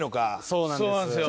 そうなんですよ。